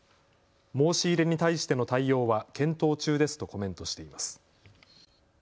申し入れに対しての対応は検討中ですとコメントしています。